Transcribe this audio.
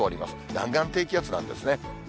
南岸低気圧なんですね。